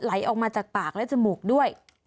ไหลออกมาจากปากและจมูกด้วย